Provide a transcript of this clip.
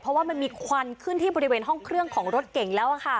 เพราะว่ามันมีควันขึ้นที่บริเวณห้องเครื่องของรถเก่งแล้วค่ะ